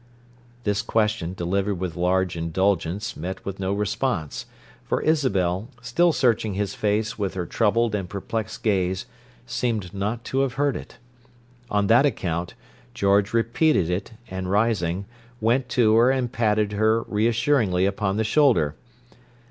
This question, delivered with large indulgence, met with no response; for Isabel, still searching his face with her troubled and perplexed gaze, seemed not to have heard it. On that account, George repeated it, and rising, went to her and patted her reassuringly upon the shoulder.